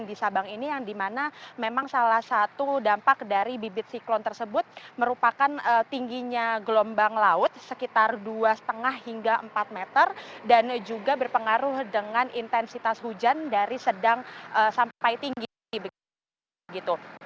di sabang ini yang dimana memang salah satu dampak dari bibit siklon tersebut merupakan tingginya gelombang laut sekitar dua lima hingga empat meter dan juga berpengaruh dengan intensitas hujan dari sedang sampai tinggi begitu